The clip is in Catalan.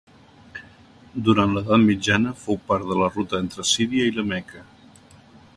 Durant l'edat mitjana fou part de la ruta entre Síria i la Meca.